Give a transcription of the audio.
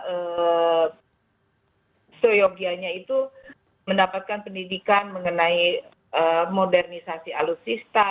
apa soyogianya itu mendapatkan pendidikan mengenai modernisasi alutsista